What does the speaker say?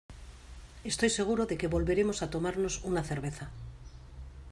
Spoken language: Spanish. estoy seguro de que volveremos a tomarnos una cerveza